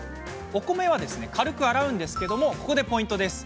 お米は軽く洗うんですがここでポイントです。